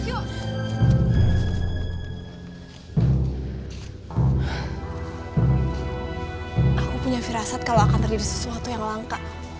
aku punya firasat kalau akan terjadi sesuatu yang langka